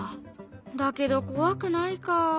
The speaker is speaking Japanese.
だけど怖くないか。